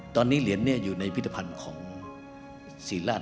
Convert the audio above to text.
ตอนนี้เหรียญอยู่ในพิธภัณฑ์ของศรีราช